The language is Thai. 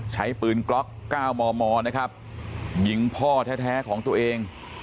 ใช้ปืนกล็อก๙มมนะครับยิงพ่อแท้ของตัวเอง